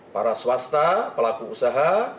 para swasta pelaku usaha